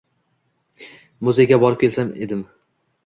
Muzeyga borib kelsam edim.